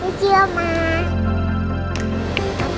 terima kasih oma